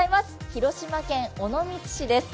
広島県尾道市です。